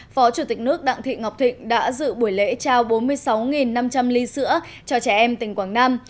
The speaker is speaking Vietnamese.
phó chủ tịch nước đặng thị ngọc thịnh đã dự buổi lễ trao bốn mươi sáu năm trăm linh ly sữa cho trẻ em tỉnh quảng nam